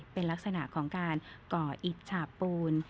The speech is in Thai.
เป็นลักษณะของการก่ออิจฉาปูน